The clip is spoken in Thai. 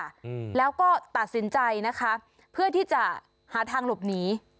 อืมแล้วก็ตัดสินใจนะคะเพื่อที่จะหาทางหลบหนี